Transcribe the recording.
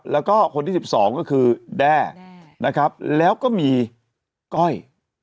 แล้วก็คนที่๑๒ก็คือแด้นะครับแล้วก็มีก้อย